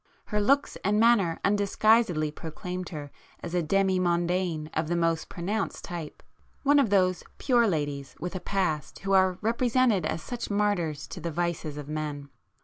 Her looks and manner undisguisedly proclaimed her as a demi mondaine of the most pronounced type,—one of those 'pure' ladies with a 'past' who are represented as such martyrs to the vices of men.